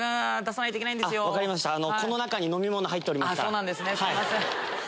そうなんですねすいません。